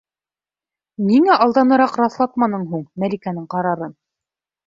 Ниңә алданыраҡ раҫлатманың һуң Мәликәнең ҡарарын?